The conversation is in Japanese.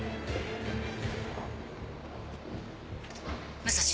武蔵。